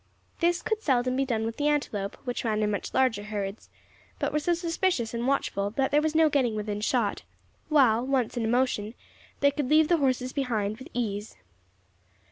This could seldom be done with the antelope, which ran in much larger herds, but were so suspicious and watchful that there was no getting within shot, while, once in motion, they could leave the horses behind with ease.